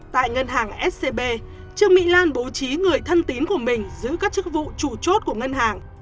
tại ngân hàng scb trương mỹ lan bố trí người thân tín của mình giữ các chức vụ chủ chốt của ngân hàng